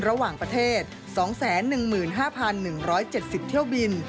ระหว่างประเทศ๒๑๕๑๗๐เที่ยวบิน